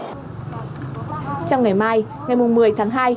trong ngày mai ngày một mươi tháng hai